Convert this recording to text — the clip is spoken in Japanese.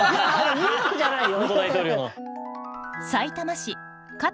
ニューヨークじゃないよ。